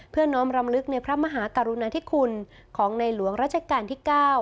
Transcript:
น้อมรำลึกในพระมหากรุณาธิคุณของในหลวงราชการที่๙